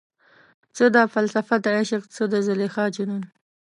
څه ده فلسفه دعشق، څه د زلیخا جنون؟